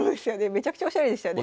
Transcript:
めちゃくちゃおしゃれでしたね。